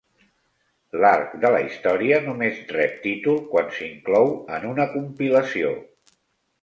L'arc de la història només rep títol quan s'inclou en una compilació.